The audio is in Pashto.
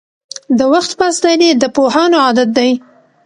• د وخت پاسداري د پوهانو عادت دی.